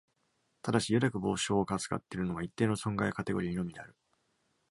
ただし、油濁防止法が扱っているのは、一定の損害カテゴリーのみである。